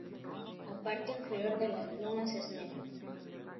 La parte inferior de las plumas es negra.